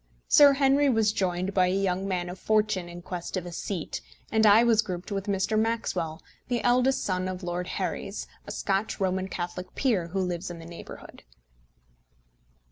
Sir Henry was joined by a young man of fortune in quest of a seat, and I was grouped with Mr. Maxwell, the eldest son of Lord Herries, a Scotch Roman Catholic peer who lives in the neighbourhood.